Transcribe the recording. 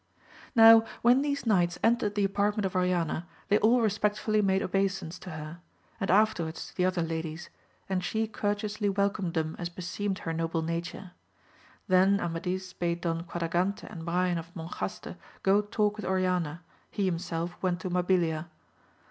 OW when these knights entered the apart ment of Oriana they all respectfully made obeisance to her, and afterwards to the other ladies, and she courteously welcomed them as beseemed her noble nature ; then Amadis bade Don Quadragante and Brian of Monjaste go talk with Oriana, he himself went to Mabilia.